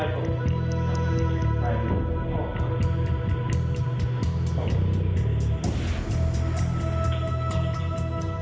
ครับ